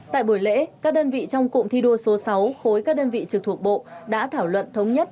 tại buổi lễ các đơn vị trong cụm thi đua số sáu khối các đơn vị trực thuộc bộ đã thảo luận thống nhất